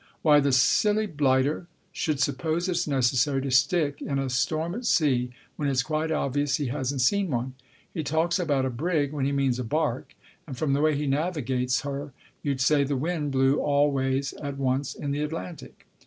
Why the silly blighter should suppose it's necessary to stick in a storm at sea when it's quite obvious he hasn't seen one he talks about a brig when he means a bark, and from the way he navigates her you'd say the wind blew all ways at once in the Atlantic."